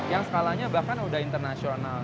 yang skalanya bahkan sudah intang